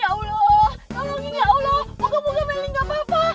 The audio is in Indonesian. ya allah tolongin ya allah moga moga melly gak apa apa